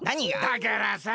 だからさ